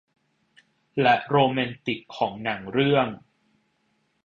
และโรแมนติกของหนังเรื่อง